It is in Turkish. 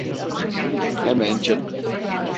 Hemen çık!